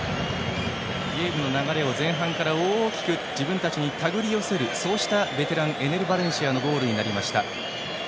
ゲームの流れを前半から大きく自分たちに手繰り寄せるベテラン、エネル・バレンシアのゴールになりました。